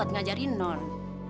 dimana udah uje lu hanging